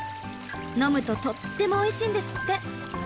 飲むととってもおいしいんですって！